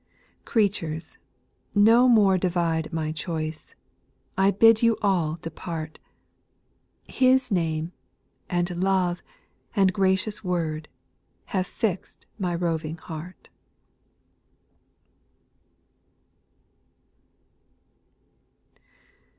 4. Creatures, no more divide my choice ; I bid you all depart ; His name, and love, and gracious word, Have fix'd my roving heart.